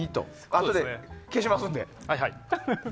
あとで消しますんで。